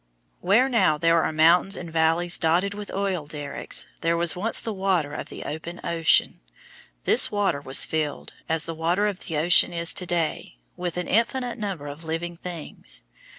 Where now there are mountains and valleys dotted with oil derricks, there was once the water of the open ocean. This water was filled, as the water of the ocean is to day, with an infinite number of living things.